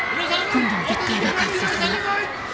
今度は絶対爆発させない。